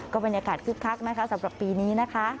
บรรยากาศคึกคักนะคะสำหรับปีนี้นะคะ